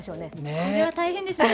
それは大変ですよね。